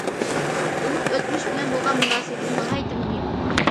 ئۇنىڭ ئۆتمۈش بىلەن بولغان مۇناسىۋىتىمۇ ناھايىتى مۇھىم.